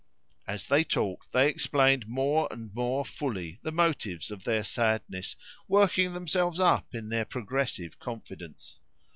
As they talked they explained more and more fully the motives of their sadness, working themselves up in their progressive confidence.